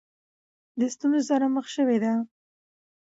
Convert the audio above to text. د ستونزو سره مخ شوې دي.